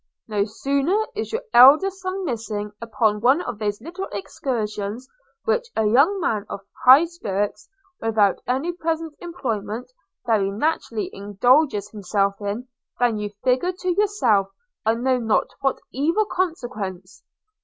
No sooner is your elder son missing upon one of those little excursions, which a young man of high spirits, without any present employment, very naturally indulges himself in, than you figure to yourself I know not what evil consequence.